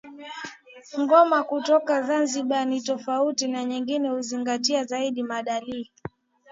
Ngoma kutoka Zanzibar ni tofauti na nyingine huzingatia zaidi maadili